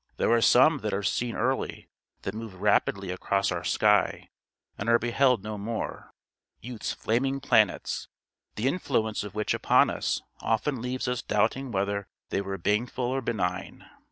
There are some that are seen early, that move rapidly across our sky, and are beheld no more youth's flaming planets, the influence of which upon us often leaves us doubting whether they were baneful or benign.